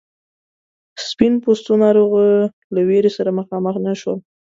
سپین پوستو ناروغیو له ویرې سره مخامخ نه شول.